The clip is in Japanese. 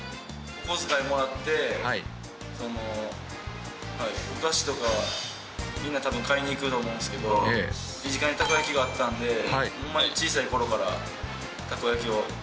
お小遣いもらって、お菓子とかはみんな買いに行くと思うんですけど、身近にたこ焼きがあったんで、ほんまに小さいころからたこ焼きを。